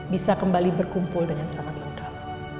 bisa kembali berkumpul dengan sangat lengkap